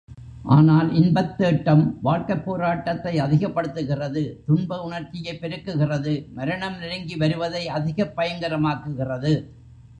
ஆனால், இன்பத் தேட்டம் வாழ்க்கைப் போராட்டத்தை அதிகப்படுத்துகிறது துன்ப உணர்ச்சியைப் பெருக்குகிறது மரணம் நெருங்கி வருவதை அதிகப் பயங்கரமாக்குகிறது.